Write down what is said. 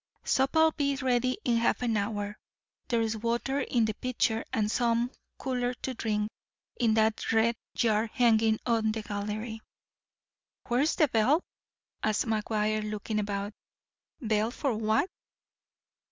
Supper'll be ready in half an hour. There's water in the pitcher, and some, cooler, to drink, in that red jar hanging on the gallery." "Where's the bell?" asked McGuire, looking about. "Bell for what?"